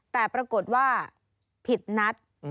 แต่ปรากฏว่าผิดนัด